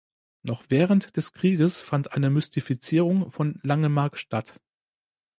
Noch während des Krieges fand eine Mystifizierung von Langemarck statt.